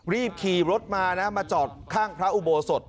รีบขี่รถมานะมาจอดข้างพระอุโบสถ